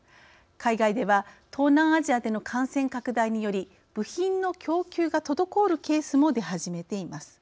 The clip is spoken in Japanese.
海外では東南アジアでの感染拡大により部品の供給が滞るケースも出始めています。